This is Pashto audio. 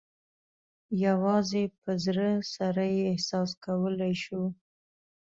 یوازې په زړه سره یې احساس کولای شو.